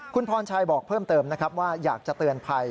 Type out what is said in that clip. คุณพรชัยบอกเพิ่มเติมนะครับว่าอยากจะเตือนภัย